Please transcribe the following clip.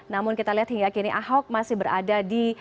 namun kita lihat hingga kini ahok masih berada di